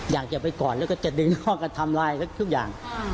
อยากจะไปกอดแล้วก็จะดึงนอกกันทำลายเต็มอยู่กับทุกอย่าง